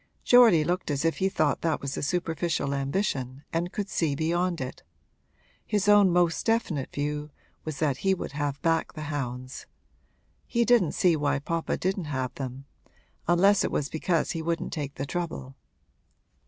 Geordie looked as if he thought that a superficial ambition and could see beyond it; his own most definite view was that he would have back the hounds. He didn't see why papa didn't have them unless it was because he wouldn't take the trouble.